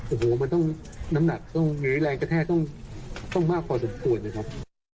โอ้โหมันต้องน้ำหนักต้องหรือแรงกระแทกต้องมากพอสมควรนะครับ